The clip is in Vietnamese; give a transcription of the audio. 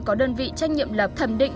có đơn vị trách nhiệm lập thẩm định